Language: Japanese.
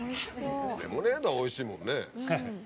レモネードおいしいもんね。